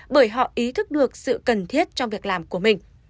bởi họ ý thức được sự cần thiết trong việc làm của mình